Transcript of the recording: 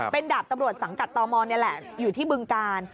เป็นดาบตำรวจสังกัดตมนี่แหละอยู่ที่บึงกาล